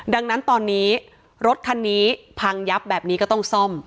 ดังนั้นตอนนี้รถคันนี้พังยับแบบนี้ก็ต้องซ่อม